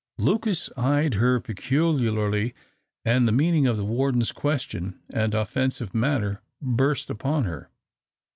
Lucas eyed her peculiarly, and the meaning of the warden's question and offensive manner burst upon her.